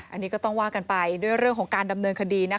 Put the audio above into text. อันนี้ก็ต้องว่ากันไปด้วยเรื่องของการดำเนินคดีนะคะ